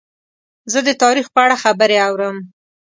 زه د تاریخ په اړه خبرې اورم.